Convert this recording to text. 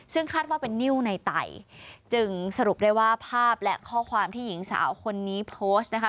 ซึ่งคาดว่าเป็นนิ้วในไต่จึงสรุปได้ว่าภาพและข้อความที่หญิงสาวคนนี้โพสต์นะคะ